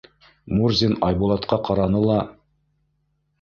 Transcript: Мурзин Айбулатҡа ҡараны ла: